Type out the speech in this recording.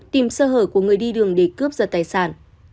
tìm sơ hở của người đi đường để cướp giật tài sản